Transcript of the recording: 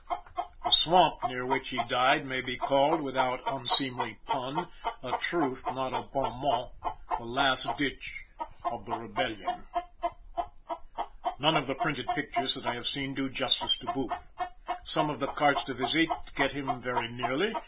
The swamp near which he died may be called, without unseemly pun a truth, not a bon mot the last ditch of the rebellion. None of the printed pictures that I have seen do justice to Booth. Some of the cartes de visite get him very nearly.